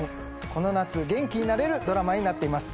この夏元気になれるドラマになっています。